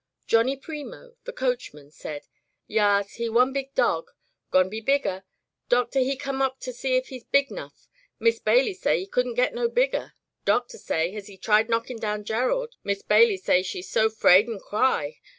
Johnny Premo, the coachman, said :" Yas, he one big dog. Gon be bigger. Doctor he come up to see if he's big 'nough. Mis' Bailey say she couldn' get no bigger. Doctor say, has he tried knockin' down Gerald? Mis' Bailey say she so 'fraid an' cry.